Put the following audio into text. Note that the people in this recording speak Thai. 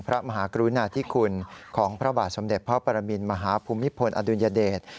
พระมหากรุณาธิคุณของพระบาทสมเด็จพระปรมินมหาภูมิพลอดุลยเดช